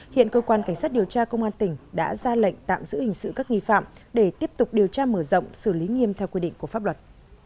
hiện cơ quan cảnh sát điều tra công an tỉnh đã ra lệnh tạm giữ hình sự các nghi phạm để tiếp tục điều tra mở rộng xử lý nghiêm theo quy định của pháp luật